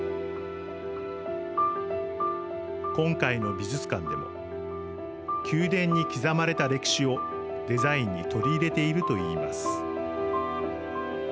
今回の美術館でも宮殿に刻まれた歴史をデザインに取り入れているといいます。